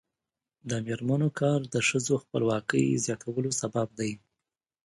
د میرمنو کار د ښځو خپلواکۍ زیاتولو سبب دی.